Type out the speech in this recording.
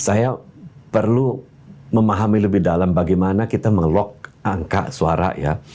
saya perlu memahami lebih dalam bagaimana kita mengelok angka suara ya